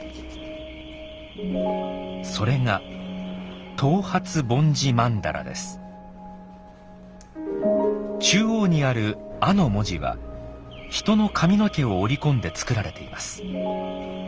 それが中央にある「阿」の文字は人の髪の毛を織り込んで作られています。